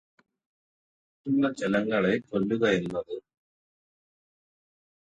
മറ്റുള്ള ജനങ്ങളെ കൊല്ലുകയെന്നത്